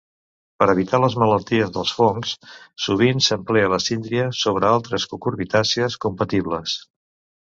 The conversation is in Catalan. Per evitar les malalties dels fongs sovint s'empelta la síndria sobre altres cucurbitàcies compatibles.